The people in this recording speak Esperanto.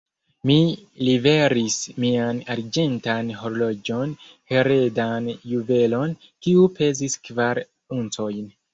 Mi liveris mian arĝentan horloĝon, heredan juvelon, kiu pezis kvar uncojn.